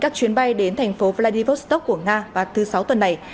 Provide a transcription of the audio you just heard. các chuyến bay đến thành phố vladivostok của nga vào thứ sáu tuần này